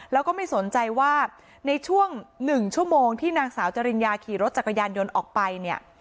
แล้วก็ไม่สนใจว่าในช่วง๑ชั่วโมงที่นางสาวจริญญาขี่รถจักรยานยนต์ออกไปเนี่ย